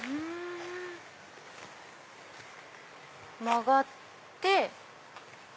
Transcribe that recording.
曲がって。